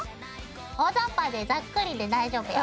大ざっぱでざっくりで大丈夫よ。